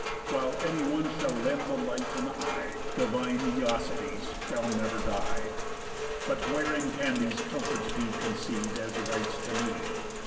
While anyone shall lend the light an eye Divine Æacides shall never die. But wherein can these comforts be conceiv'd As rights to me?